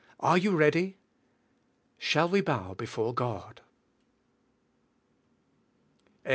Are you ready? Shall we bow before God?